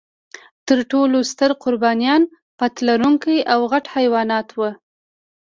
تر ټولو ستر قربانیان پت لرونکي او غټ حیوانات و.